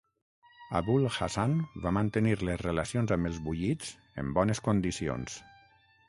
Abu'l-Hasan va mantenir les relacions amb els Buyids en bones condicions.